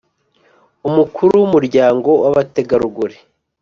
Umukuru w Umuryango w Abategarugori